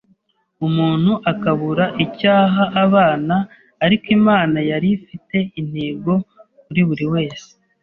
umuntu akabura icyo aha abana ariko Imana yari ifite intego kuri buri wese